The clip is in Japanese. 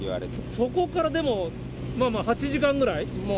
そこからでも、まあまあ８時間ぐらい？